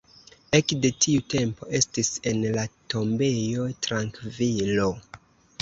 Ekde tiu tempo estis en la tombejo trankvilo.